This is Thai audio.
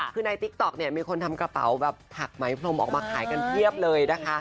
คือในติ๊กต๊อกเนี่ยมีคนทำกระเป๋าแบบผักไหมพรมออกมาขายกันเพียบเลยนะคะ